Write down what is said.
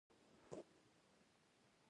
غږ د ذرّو د تراکم او پراخېدو له امله خپرېږي.